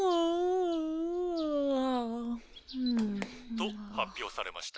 「と発表されました。